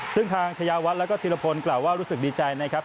ซึ่งทางชายาวัฒน์แล้วก็ธิรพลกล่าวว่ารู้สึกดีใจนะครับ